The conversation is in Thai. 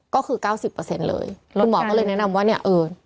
เพื่อไม่ให้เชื้อมันกระจายหรือว่าขยายตัวเพิ่มมากขึ้น